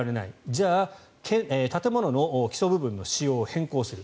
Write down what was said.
じゃあ、建物の基礎部分の仕様を変更する。